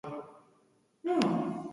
Gogotik idatziko nuke hari buruz dakidana.